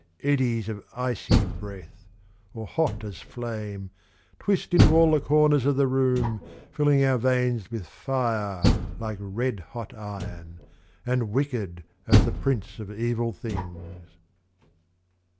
Kddies of icy breath, or hot as flame, St into all the corners of the room, Pilling our veins with fire like red hot iron, And wicked as the Prince of Evil Things.